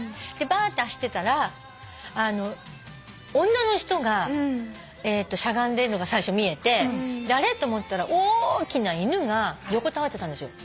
ばって走ってたら女の人がしゃがんでんのが最初見えてあれ？と思ったら大きな犬が横たわってたんですよ。